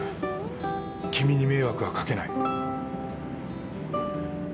君に迷惑はかけない。